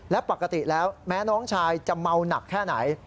และปกติแล้วแม้น้องชายจะเมาหนักแค่ไหน